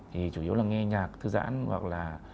thì chủ yếu là nghe nhạc thư giãn hoặc là